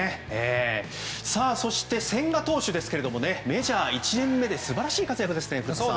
そして、千賀投手ですがメジャー１年目で素晴らしい活躍ですね。